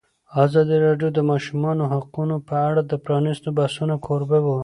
ازادي راډیو د د ماشومانو حقونه په اړه د پرانیستو بحثونو کوربه وه.